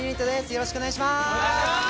よろしくお願いします